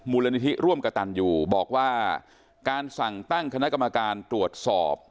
มูลนิธิร่วมกระตันอยู่บอกว่าการสั่งตั้งคณะกรรมการตรวจสอบ